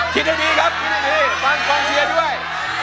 คิดให้ดีครับฟังกองเชียร์ด้วย